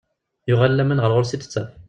Yuɣal laman ɣer ɣur-s i tettaf.